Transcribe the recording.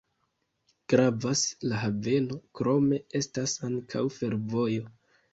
Gravas la haveno, krome estas ankaŭ fervojo.